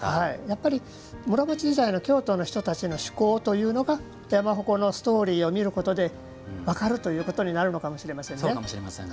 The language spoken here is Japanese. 室町時代の京都の人たちの趣向が山鉾のストーリーを見ることで分かることになるのかもしれませんね。